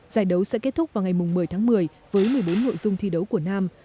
giải đấu sẽ kết thúc vào ngày một mươi tháng một mươi với một mươi bốn nội dung thi đấu của nam